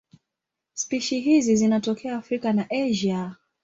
Spishi hizi zinatokea Afrika na Asia.